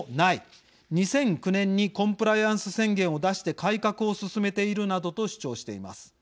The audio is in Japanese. ２００９年にコンプライアンス宣言を出して改革を進めている」などと主張しています。